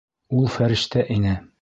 Ул фәрештә ине!